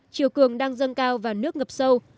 triều cường đang dân cao và nước ngập sâu